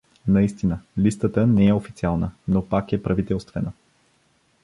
Наистина, листата не е официална, но пак е правителствена.